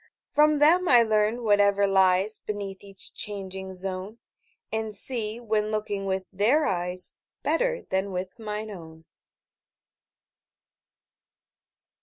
From them I learn whatever lies Beneath each changing zone, And see, when looking with their eyes, 35 Better than with mine own.